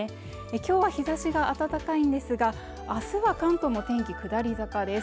今日は日差しが暖かいんですが明日は関東も天気下り坂です